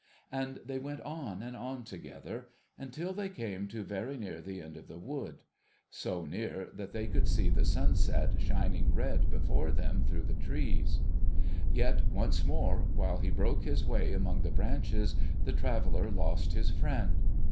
And they went on and on together, until they came to very near the end of the wood : so near, that they could see the sunset shining red before them through the trees. Yet, once more, while he broke his way among the branches, the traveller lost his friend.